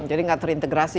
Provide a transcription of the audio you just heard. jadi nggak terintegrasi